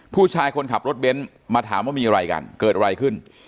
ผู้ชายคนขับรถเบ้นมาถามว่ามีอะไรกันเกิดอะไรขึ้น